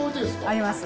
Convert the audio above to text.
あります。